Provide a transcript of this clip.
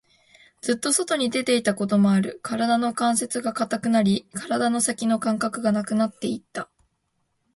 ずっと外に出ていたこともある。体中の関節が堅くなり、体の先の感覚がなくなっていた。